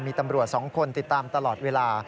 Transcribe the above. มีตำรวจ๒คนติดตามตลอดเวลา